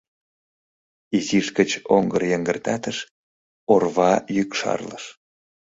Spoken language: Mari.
Изиш гыч оҥгыр йыҥгыртатыш, орва йӱк шарлыш.